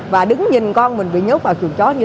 và đứng nhìn con mình bị nhốt vào chuồng chó như thế này